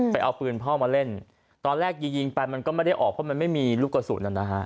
ไปเอาปืนพ่อมาเล่นตอนแรกยิงไปมันก็ไม่ได้ออกเพราะมันไม่มีลูกกระสุนนะฮะ